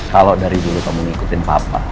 kalau dari dulu kamu ngikutin papa